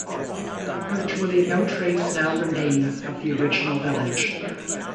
Virtually no trace now remains of the original village.